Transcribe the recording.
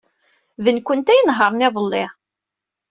D nekkenti ay inehṛen iḍelli.